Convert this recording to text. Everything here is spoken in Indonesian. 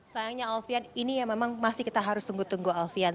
sayangnya alfian ini yang memang masih kita harus tunggu tunggu alfian